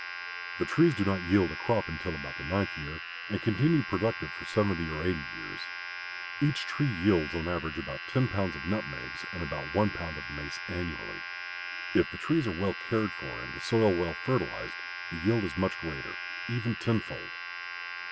The trees do not yield a crop until about the ninth year and continue productive for seventy or eighty years. Each tree yields on an average about ten pounds of nutmegs and about one pound of mace annually. If the trees are well cared for and the soil well fertilized, the yield is much greater, even tenfold.